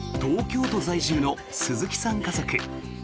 東京都在住の鈴木さん家族。